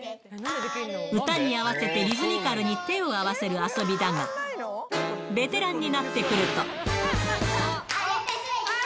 歌に合わせてリズミカルに手を合わせる遊びだが、ベテランになってくると。